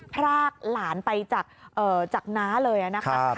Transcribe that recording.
พรากหลานไปจากน้าเลยนะคะ